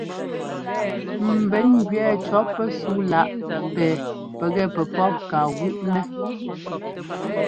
Ḿbɛn ŋgẅɛɛ cɔ̌ pɛsúu láꞌ pɛ pɛgɛ pɛpɔ́p ka gúꞌnɛ́.